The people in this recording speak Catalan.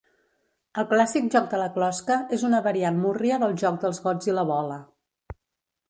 El clàssic joc de la closca és una variant múrria del joc dels gots i la bola.